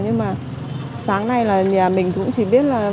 nhưng mà sáng nay là nhà mình cũng chỉ biết là